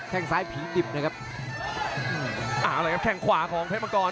แค่งซ้ายผีดิบนะครับเอาเลยครับแข้งขวาของเพชรมังกร